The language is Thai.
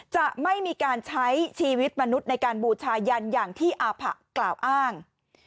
จะไม่มีการใช้ชีวิตมนุษย์ในการบูชายันอย่างที่อาผะกล่าวอ้าง